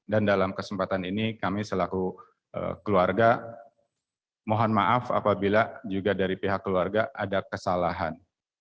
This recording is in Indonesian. dan dalam kesempatan ini kami selaku keluarga mohon maaf apabila juga dari pihak keluarga ada kesalahan